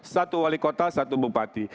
satu wali kota satu bupati